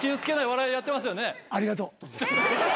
ありがとう。